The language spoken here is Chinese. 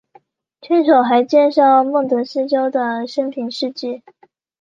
卷首还介绍孟德斯鸠的生平事迹。